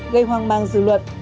gây hoang mang dư luận